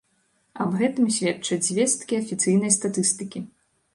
Аб гэтым сведчаць звесткі афіцыйнай статыстыкі.